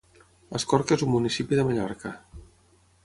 Escorca és un municipi de Mallorca.